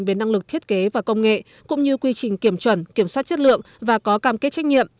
về năng lực thiết kế và công nghệ cũng như quy trình kiểm chuẩn kiểm soát chất lượng và có cam kết trách nhiệm